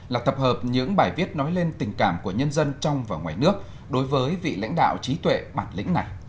là tập hợp những bài viết nói lên tình cảm của nhân dân trong và ngoài nước đối với vị lãnh đạo trí tuệ bản lĩnh này